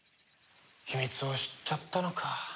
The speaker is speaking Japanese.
秘密を知っちゃったのか。